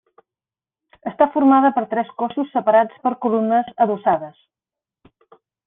Està formada per tres cossos separats per columnes adossades.